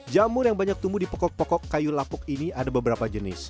jamur yang banyak tumbuh di pokok pokok kayu lapuk ini ada beberapa jenis